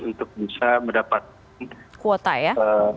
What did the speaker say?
untuk bisa mendapatkan kuota ya